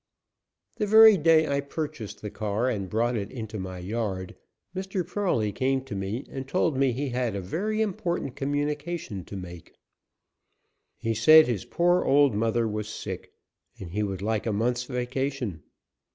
The very day I purchased the car and brought it into my yard Mr. Prawley came to me and told me he had a very important communication to make. He said his poor old mother was sick, and he would like a month's vacation.